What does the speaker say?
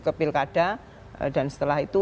ke pilkada dan setelah itu